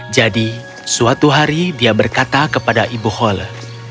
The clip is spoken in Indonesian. jadi suatu hari dia berkata kepada ibu hole